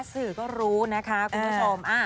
สื่อก็รู้นะคะคุณผู้ชม